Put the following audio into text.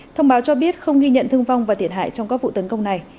thông báo cho biết không ghi nhận thương vong và thiệt hại trong các vụ tấn công này